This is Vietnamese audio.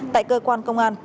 tại cơ quan công an